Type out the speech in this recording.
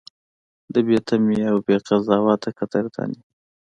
بې تمې او بې قضاوته قدرداني: